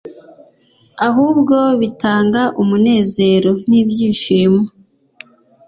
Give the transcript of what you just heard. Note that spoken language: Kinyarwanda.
ahubwo bitanga umunezero n'ibyishimo